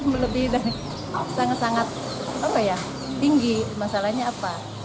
belum tidak sangat sangat tinggi masalahnya apa